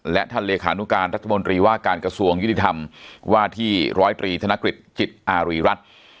และท่านเลขานุการรัฐมนตรีว่าการกระทรวงยุติธรรมว่าที่ร้อยตรีธนกฤษจิตอารีรัฐ